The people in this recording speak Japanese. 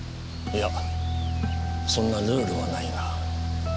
いやそんなルールはないが。